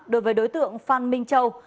đối tượng phan minh châu